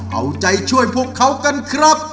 เอาใจช่วยพวกเขากันครับ